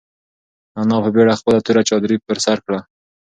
انا په بېړه خپله توره چادري پر سر کړه.